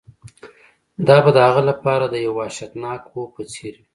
دا به د هغه لپاره د یو وحشتناک خوب په څیر وي